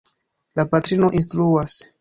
La patrino instruas.